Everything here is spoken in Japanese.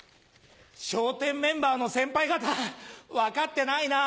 『笑点』メンバーの先輩方分かってないなぁ。